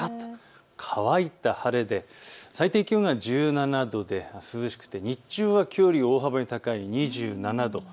乾いた晴れで最低気温が１７度、日中はきょうより大幅に高い２７度。